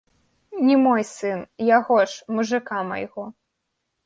Не мой сын, яго ж, мужыка майго.